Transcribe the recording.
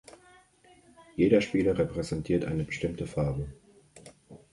Jeder Spieler repräsentiert eine bestimmte Farbe.